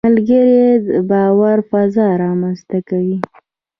ملګری د باور فضا رامنځته کوي